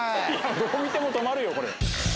どう見ても止まるよこれ。